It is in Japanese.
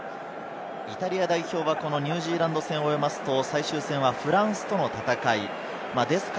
イタリア代表はニュージーランド戦を終えると、最終戦はフランスとの戦い。